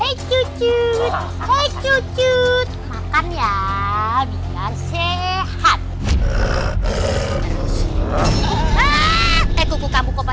eh ini makanan perempuan